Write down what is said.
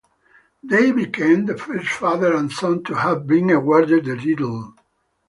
They became the first father and son to have been awarded the title.